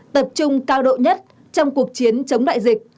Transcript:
tập trung cao độ nhất trong cuộc chiến chống đại dịch